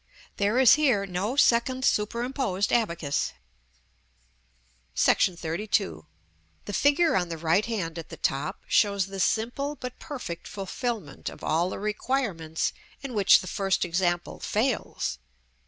There is here no second superimposed abacus. § XXXII. The figure on the right hand, at the top, shows the simple but perfect fulfilment of all the requirements in which the first example fails.